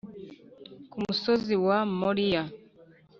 ’’ Ku musozi wa Moriya